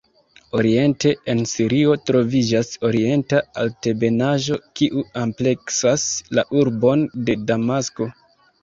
Oriente, en Sirio, troviĝas Orienta Altebenaĵo kiu ampleksas la urbon de Damasko.